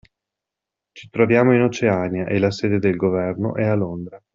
Ci troviamo in Oceania e la sede del governo è a Londra.